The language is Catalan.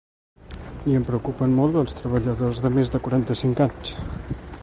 I em preocupen molt els treballadors de més de quaranta-cinc anys.